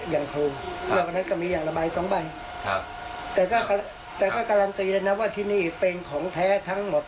อย่างครูเพราะฉะนั้นก็มีอย่างระบาย๒ใบแต่ก็การันตีเลยนะว่าที่นี่เป็นของแท้ทั้งหมด